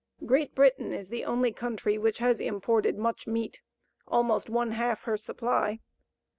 Great Britain is the only country which has imported much meat almost one half her supply.